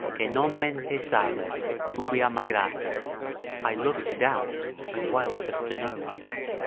"Che non men the saver, dubbiar m' aggrata." ["I love to doubt, as well as to know."